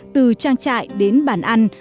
từ trang trại đến bản ăn